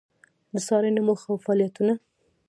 د څارنې موخه او فعالیتونه: